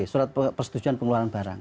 surat persetujuan pengeluaran barang